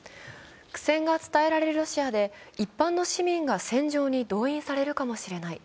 苦戦が伝えられるロシアで一般の市民が戦場に動員されるかもしれない。